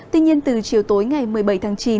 tuy nhiên từ chiều tối ngày một mươi bảy tháng chín